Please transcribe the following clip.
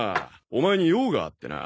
オマエに用があってな。